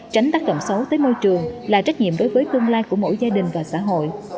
tránh tác động xấu tới môi trường là trách nhiệm đối với tương lai của mỗi gia đình và xã hội